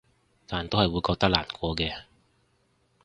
但都係會覺得難過嘅